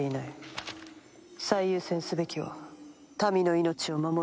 最優先すべきは民の命を守ることだ。